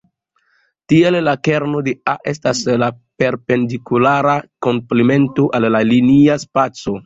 Tiel la kerno de "A" estas la perpendikulara komplemento al la linia spaco.